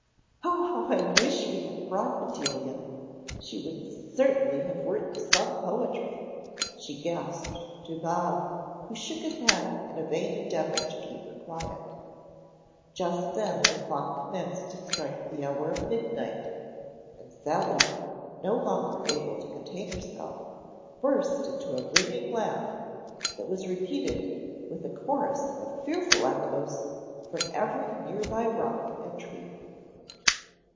"Oh, how I wish we had brought Bedelia! She would certainly have written some poetry," she gasped to Bob, who shook his head in a vain endeavor to keep her quiet. Just then the clock commenced to strike the hour of midnight, and Sally, no longer able to contain herself, burst into a ringing laugh, that was repeated, with a chorus of fearful echoes, from every near by rock and tree.